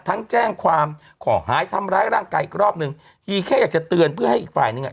แจ้งความขอหายทำร้ายร่างกายอีกรอบหนึ่งฮีแค่อยากจะเตือนเพื่อให้อีกฝ่ายนึงอ่ะ